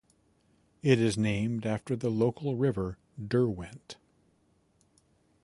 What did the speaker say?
It is named after the local River Derwent.